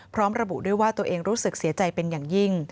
พร้อมระบุด้วยว่าตัวเองรู้สึกเสียใจเป็นอย่างยิ่ง